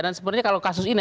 dan sebenarnya kalau kasus ini